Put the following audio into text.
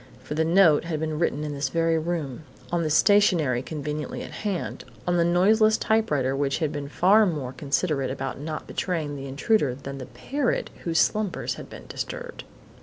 For the note had been written in this very room, on stationery conveniently at hand, on the noiseless typewriter which had been far more considerate about not betraying the intruder than had the parrot whose slumbers had been disturbed.